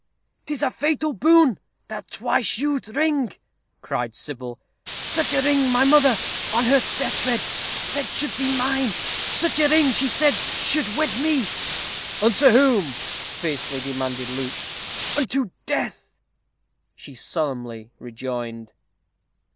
"'Tis a fatal boon, that twice used ring," cried Sybil; "such a ring my mother, on her death bed, said should be mine. Such a ring she said should wed me " "Unto whom?" fiercely demanded Luke. "UNTO DEATH!" she solemnly rejoined.